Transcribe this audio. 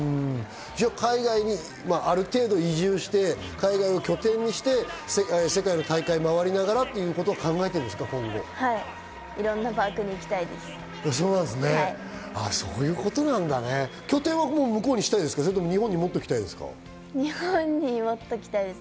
海外に移住して海外を拠点にして、世界の大会を回りながらっていうことを考えてるんではい、いろんなパークに行きたいです。